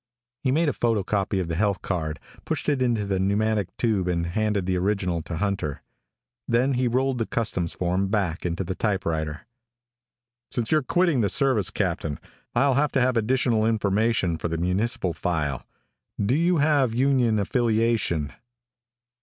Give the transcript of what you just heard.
He made a photo copy of the health card, pushed it into a pneumatic tube and handed the original to Hunter. Then he rolled the customs form back into the typewriter. "Since you're quitting the service, Captain, I'll have to have additional information for the municipal file. Do you have union affiliation?"